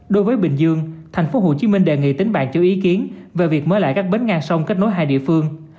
đối với bình dương tp hcm đề nghị tính bạn cho ý kiến về việc mới lại các bến ngang sông kết nối hai địa phương